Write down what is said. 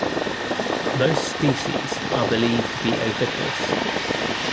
Most species are believed to be oviparous.